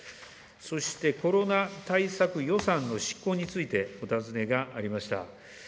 そして、コロナ対策予算の執行について、お尋ねがありました。